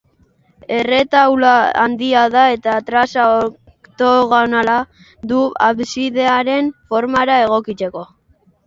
Erretaula handia da eta traza oktogonala du absidearen formara egokitzeko.